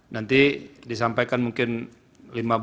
nanti disampaikan mungkin lima belas sampai dua puluh menit